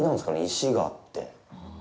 石があって。